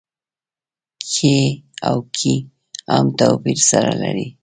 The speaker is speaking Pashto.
کې او کي هم توپير سره لري.